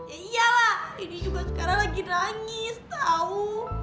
iya lah ini juga sekarang lagi nangis tahu